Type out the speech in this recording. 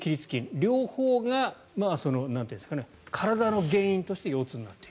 両方が体の原因として腰痛になっている。